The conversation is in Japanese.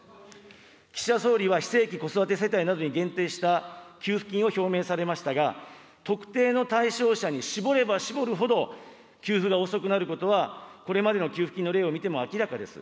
岸田総理は非正規、子育て世帯などに限定した給付金を表明されましたが、特定の対象に絞れば絞るほど、給付が遅くなることは、これまでの給付金の例を見ても明らかです。